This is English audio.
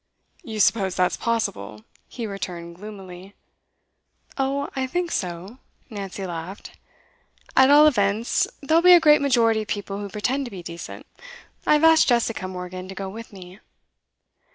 'You suppose that's possible?' he returned gloomily. 'Oh, I think so,' Nancy laughed. 'At all events, there'll be a great majority of people who pretend to be decent. I have asked Jessica Morgan to go with me.